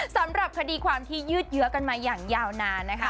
สำหรับคดีความที่ยืดเยื้อกันมาอย่างยาวนานนะคะ